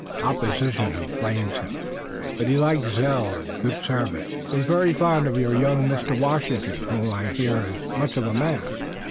Opposition inflames him, but he likes zeal and good service. He is very fond of your young Mr. Washington, who, I hear is much of a man."